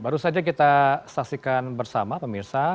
baru saja kita saksikan bersama pemirsa